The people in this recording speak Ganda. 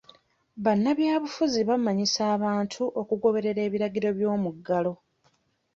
Bannabyabufuzi bamanyisa abantu okugoberera ebiragiro by'omuggalo.